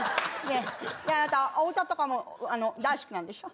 であなたお歌とかも大好きなんでしょ？